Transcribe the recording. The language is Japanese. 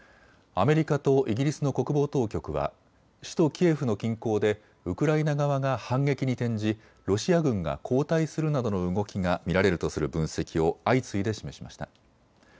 アメリカとイギリスの国防当局は首都キエフの近郊でウクライナ側が反撃に転じロシア軍が後退するなどの動きが見られるとする分析を相次いで示しました。